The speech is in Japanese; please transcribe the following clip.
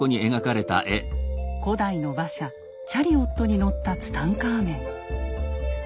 古代の馬車チャリオットに乗ったツタンカーメン。